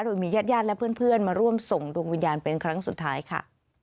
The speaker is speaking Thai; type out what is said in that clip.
โดยมีญาติญาติและเพื่อนมาร่วมส่งดวงวิญญาณเป็นครั้งสุดท้ายค่ะ